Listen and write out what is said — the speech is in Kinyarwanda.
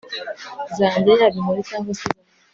zanjye, yaba inkoni cyangwa se zahabu